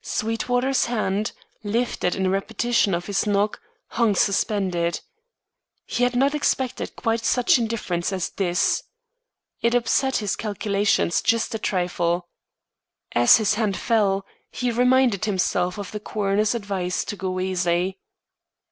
Sweetwater's hand, lifted in repetition of his knock, hung suspended. He had not expected quite such indifference as this. It upset his calculations just a trifle. As his hand fell, he reminded himself of the coroner's advice to go easy.